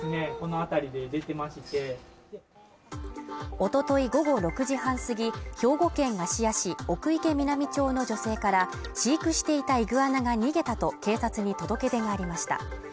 おととい午後６時半すぎ、兵庫県芦屋市奥池南町の女性から飼育していたイグアナが逃げたと警察に届け出がありました。